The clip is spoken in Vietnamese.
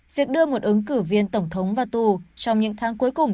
việc đưa một ứng cử viên tổng thống vào tù trong những tháng cuối cùng